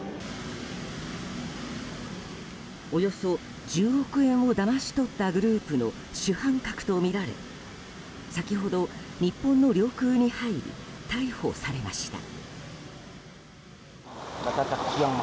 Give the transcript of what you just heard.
およそ１０億円をだまし取ったグループの主犯格とみられ先ほど日本の領空に入り逮捕されました。